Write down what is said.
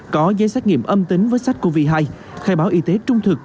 có giấy xét nghiệm âm tính với sách covid hai khai báo y tế trung thực